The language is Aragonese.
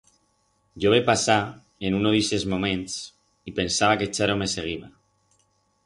Yo ve pasar en uno d'ixes moments y pensaba que Charo me seguiba.